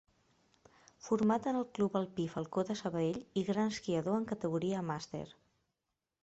Format en el Club Alpí Falcó de Sabadell i gran esquiador en categoria màster.